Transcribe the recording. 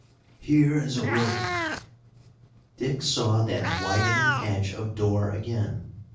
"Here is a room!" Dick saw that widening edge of door again.